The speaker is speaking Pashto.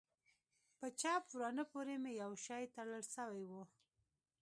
په چپ ورانه پورې مې يو شى تړل سوى و.